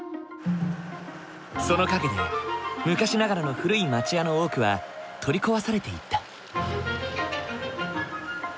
その陰で昔ながらの古い町家の多くは取り壊されていった。